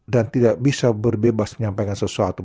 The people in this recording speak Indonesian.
dan tidak bisa berbebas menyampaikan sesuatu